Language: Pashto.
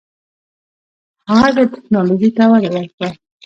هغه ټیکنالوژۍ ته وده ورکړه.